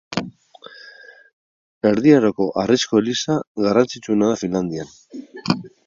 Erdi Aroko harrizko eliza garrantzitsuena da Finlandian.